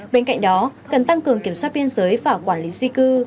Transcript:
bên cạnh đó cần tăng cường kiểm soát biên giới và quản lý di cư